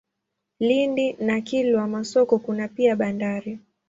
Lindi na Kilwa Masoko kuna pia bandari.